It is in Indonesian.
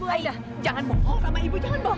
ayah jangan bohong sama ibu jangan bohong